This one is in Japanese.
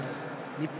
日本！